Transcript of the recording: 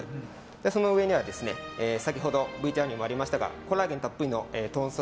その上には先ほどＶＴＲにもありましたがコラーゲンたっぷりの豚足。